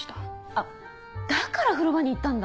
あっだから風呂場に行ったんだ！